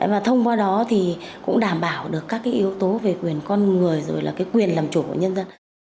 và thông qua đó thì cũng đảm bảo được các yếu tố về quyền con người rồi là quyền làm chủ của nhân dân